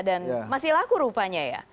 dan masih laku rupanya ya